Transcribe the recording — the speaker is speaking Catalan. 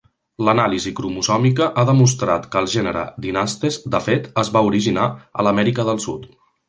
L'anàlisi cromosòmica ha demostrat que el gènere "Dynastes", de fet, es va original a l'Amèrica del Sud.